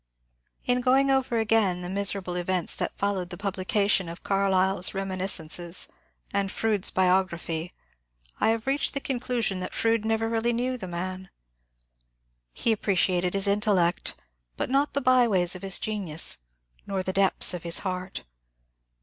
In going over again the miserable events that followed the publication of Carlyle's ^^ Reminiscences " and Froude*s bio graphy, I have reached the conclusion that Fronde never really knew the man. He appreciated his intellect, but not the by ways of his genius, nor the depths of his heart.